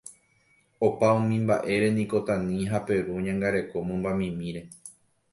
Opa umi mba'éreniko Tani ha Peru oñangareko mymbamimíre.